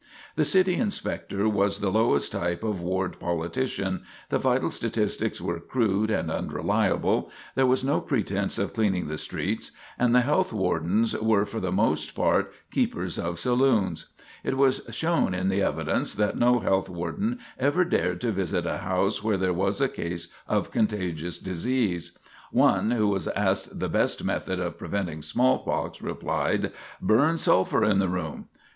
The City Inspector was the lowest type of ward politician, the vital statistics were crude and unreliable, there was no pretense of cleaning the streets, and the health wardens were for the most part keepers of saloons. It was shown in the evidence that no health warden ever dared to visit a house where there was a case of contagious disease. One, who was asked the best method of preventing smallpox, replied: "Burn sulphur in the room."